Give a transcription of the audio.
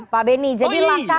pak benny jadi langkah